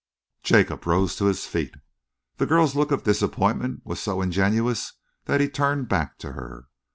Jacob rose to his feet. The girl's look of disappointment was so ingenuous that he turned back to her.